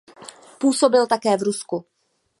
Působil také v Rusku.